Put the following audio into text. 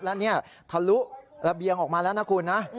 แล้วนี่ทะลุระเบียงออกมาแล้วนะคุณนะ